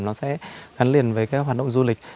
nó sẽ gắn liền với các hoạt động du lịch